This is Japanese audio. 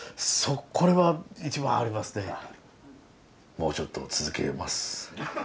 もうちょっと続けます。